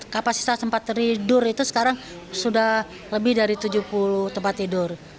kapasitas tempat tidur itu sekarang sudah lebih dari tujuh puluh tempat tidur